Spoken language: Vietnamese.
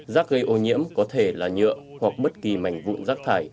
rác gây ô nhiễm có thể là nhựa hoặc bất kỳ mảnh vụn rác thải